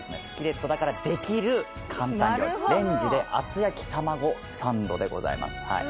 スキレットだからできる簡単料理レンジで厚焼きたまごサンドでございます。